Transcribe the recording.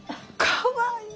かわいい！